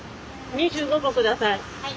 ２５個下さい。